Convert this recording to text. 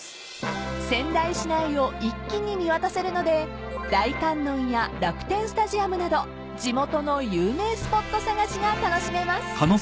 ［仙台市内を一気に見渡せるので大観音や楽天スタジアムなど地元の有名スポット探しが楽しめます］